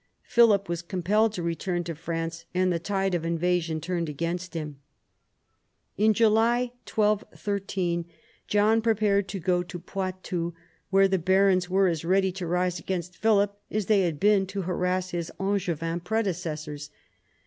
Philip was compelled to return to France ; and the tide of invasion turned against him. In July 1213 John prepared to go to Poitou, where the barons were as ready to rise against Philip as they had been to harass his Angevin predecessors.